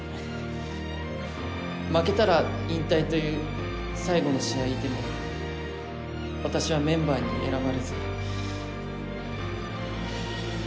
負けたら引退という最後の試合でも私はメンバーに選ばれず。